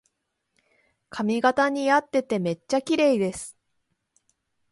髪型にあっててめっちゃきれいです